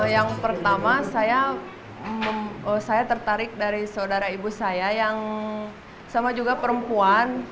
yang pertama saya tertarik dari saudara ibu saya yang sama juga perempuan